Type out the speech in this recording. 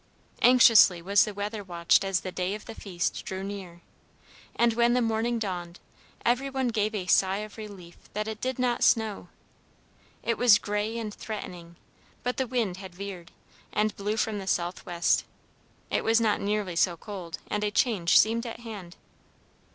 Anxiously was the weather watched as the day of the feast drew near; and when the morning dawned, every one gave a sigh of relief that it did not snow. It was gray and threatening, but the wind had veered, and blew from the southwest. It was not nearly so cold, and a change seemed at hand.